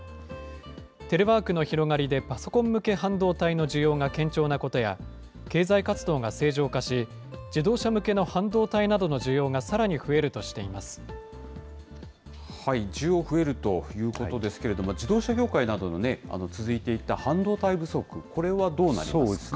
テレワークの広がりでパソコン向け半導体の需要が堅調なことや、経済活動が正常化し、自動車向けの半導体などの需要がさらに増え需要増えるということですけれども、自動車業界などの続いていた半導体不足、これはどうなりそうですね。